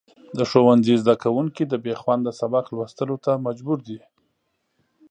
د ښوونځي زدهکوونکي د بېخونده سبق لوستلو ته مجبور دي.